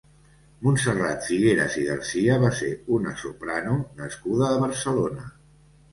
Montserrat Figueras i Garcia va ser una soprano nascuda a Barcelona.